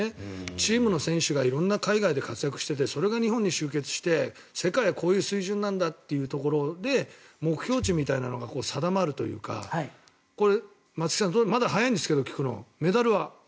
チームの選手が色んな海外で活躍していてそれが日本に集結していて世界はこういう水準なんだというところで目標値みたいなのが定まるというか松木さん聞くのはまだ早いんですけどメダルは？